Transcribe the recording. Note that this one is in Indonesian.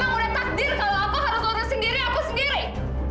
emang udah takdir kalau aku harus urus sendiri aku sendiri